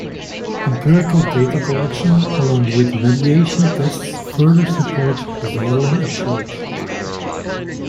Empirical data collection along with mediation tests further support this modeling approach.